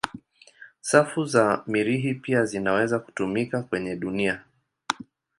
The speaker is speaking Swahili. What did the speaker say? Safu za Mirihi pia zinaweza kutumika kwenye dunia.